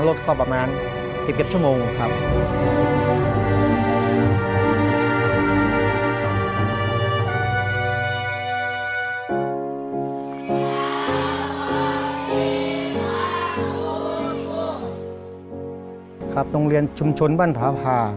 ครับโรงเรียนชุมชนว่านพระพา